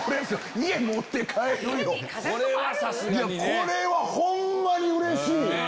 これはホンマにうれしい！